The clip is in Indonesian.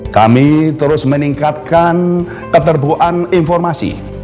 kami terus meningkatkan keterbuan informasi